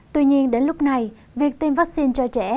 tuy nhiên đến lúc này việc tiêm vaccine cho trẻ